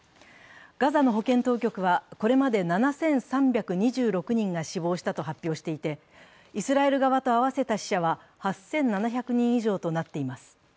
ガザの保健当局はこれまで７３２６人が死亡したと発表していてイスラエル側と合わせた死者は８７００人以上となっています。